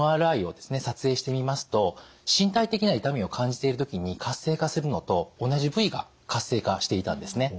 撮影してみますと身体的な痛みを感じている時に活性化するのと同じ部位が活性化していたんですね。